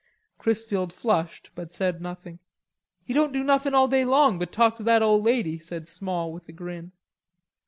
Chrisfield flushed, but said nothing. "He don't do nothing all day long but talk to that ole lady," said Small with a grin.